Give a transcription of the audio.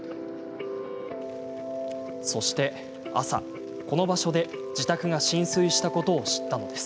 そして朝、この場所で自宅が浸水したことを知ったのです。